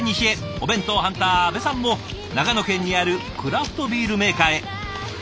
お弁当ハンター阿部さんも長野県にあるクラフトビールメーカーへ。